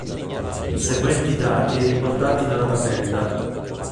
I seguenti dati riportati nella tabella